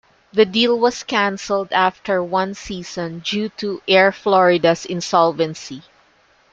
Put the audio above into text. The deal was cancelled after one season due to Air Florida's insolvency.